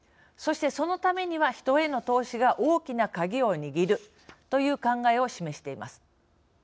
そして、そのためには人への投資が大きなカギを握るという考えを示しています。